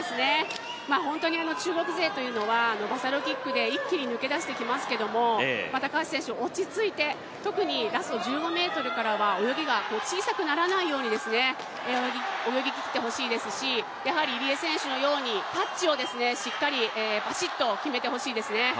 ホントに中国勢というのはバサロキックで一気に抜け出してきますけど高橋選手、落ち着いて特にラスト１５ｍからは泳ぎが小さくならないように泳ぎ切ってほしいですし、入江選手のようにタッチをしっかりバシッと決めてほしいですね。